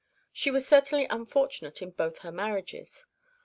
(1) She was certainly unfortunate in both her marriages.